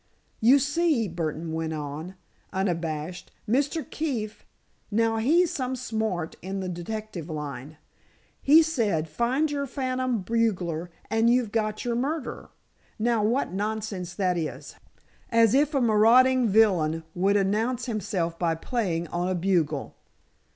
"You see," Burdon went on, unabashed, "Mr. Keefe—now, he's some smart in the detective line—he said, find your phantom bugler, and you've got your murderer! Now, what nonsense that is! As if a marauding villain would announce himself by playing on a bugle!"